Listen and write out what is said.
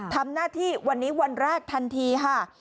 ทำหน้าที่วันนี้วันแรกทันทีค่ะ